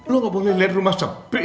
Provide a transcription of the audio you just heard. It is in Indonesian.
lo gak boleh lihat rumah sabri ya